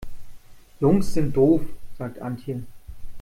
Jungs sind doof, sagt Antje.